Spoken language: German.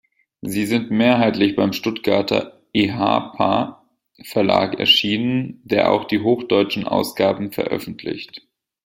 Sie sind mehrheitlich beim Stuttgarter "Ehapa"-Verlag erschienen, der auch die hochdeutschen Ausgaben veröffentlicht.